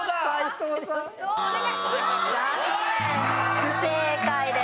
不正解です。